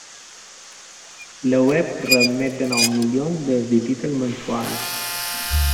La web rep més de nou milions de visites mensuals.